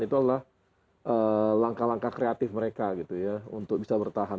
itu adalah langkah langkah kreatif mereka untuk bisa bertahan